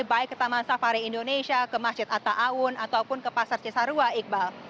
baik ke taman safari indonesia ke masjid atta awun ataupun ke pasar cisarua iqbal